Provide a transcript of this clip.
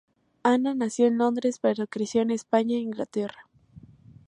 Ana nació en Londres, pero creció en España e Inglaterra.